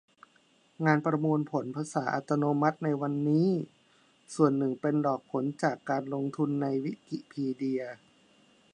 งานประมวลผลภาษาอัตโนมัติในวันนี้ ส่วนหนึ่งเป็นดอกผลจากการลงทุนในวิกิพีเดีย